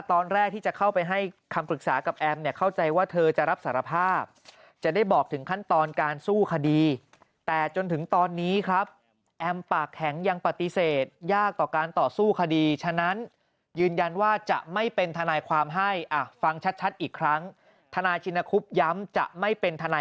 ตอนแรกที่จะเข้าไป